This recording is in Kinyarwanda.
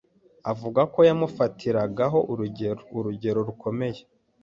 avuga ko yamufatiragaho urugero urugero rukomeye